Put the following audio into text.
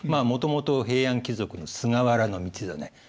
もともと平安貴族の菅原道真